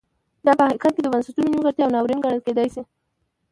دا په حقیقت کې د بنسټونو نیمګړتیا او ناورین ګڼل کېدای شي.